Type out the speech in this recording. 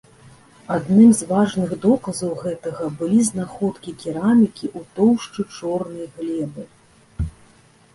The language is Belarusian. Адным з важных доказаў гэтага былі знаходкі керамікі ў тоўшчы чорнай глебы.